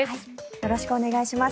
よろしくお願いします。